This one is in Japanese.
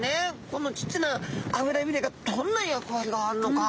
このちっちゃな脂びれがどんな役割があるのか。